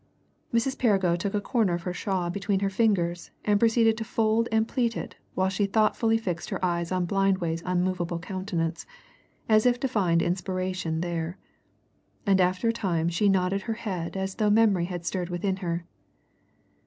Mrs. Perrigo took a corner of her shawl between her fingers and proceeded to fold and pleat it while she thoughtfully fixed her eyes on Blindway's unmoved countenance, as if to find inspiration there. And after a time she nodded her head as though memory had stirred within her.